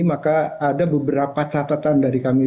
maka ada beberapa catatan dari kami